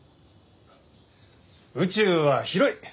宇宙は広い。